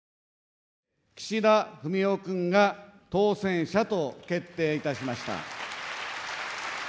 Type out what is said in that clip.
岸田文雄君が当選者と決定いたしました。